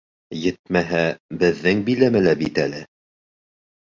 Етмәһә, беҙҙең биләмәлә бит әле.